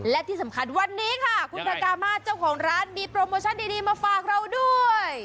และที่สำคัญวันนี้ค่ะคุณพระกามาเจ้าของร้านมีโปรโมชั่นดีมาฝากเราด้วย